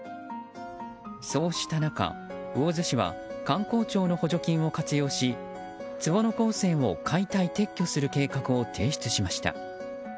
そうした中、魚津市は観光庁の補助金を活用し坪野鉱泉を解体撤去する計画を提出しました。